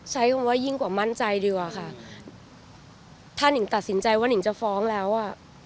ใช้คำว่ายิ่งกว่ามั่นใจดีกว่าค่ะถ้านิงตัดสินใจว่านิงจะฟ้องแล้วอ่ะ